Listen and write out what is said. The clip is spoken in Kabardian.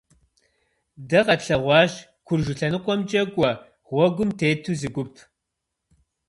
Дэ къэтлъэгъуащ Куржы лъэныкъуэмкӀэ кӀуэ гъуэгум тету зы гуп.